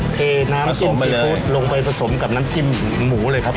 โอเคน้ำจิ้มซีฟู้ดลงไปผสมกับน้ำจิ้มหมูเลยครับ